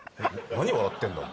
何笑ってんだ